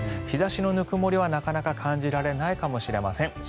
日差しのぬくもりはなかなか感じられないかもしれません。